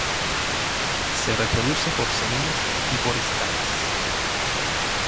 Se reproduce por semillas y por estacas.